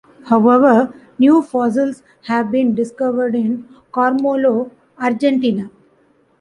However, new fossils have been discovered in Cormollo, Argentina.